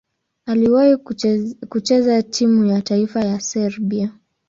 Aliwahi kucheza timu ya taifa ya Serbia.